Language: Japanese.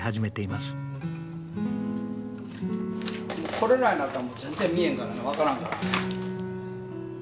これぐらいになったらもう全然見えんからね分からんからね。